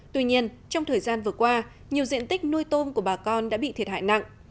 tuy nhiên trong thời gian vừa qua nhiều diện tích nuôi tôm của bà con đã bị thiệt hại nặng